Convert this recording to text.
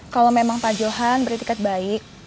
kalau memang pak johan beri tiket baik